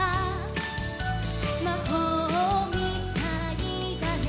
「まほうみたいだね